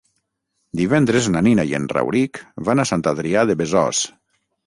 Divendres na Nina i en Rauric van a Sant Adrià de Besòs.